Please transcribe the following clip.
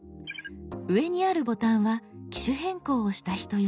上にあるボタンは機種変更をした人用。